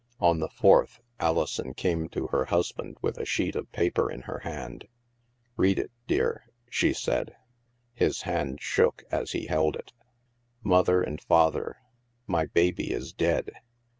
On the fourth, Alison came to her husband with a sheet of paper in her hand. " Read it, dear, she said. His hand shook as he held it. " Mother and Father, *' My baby is dead.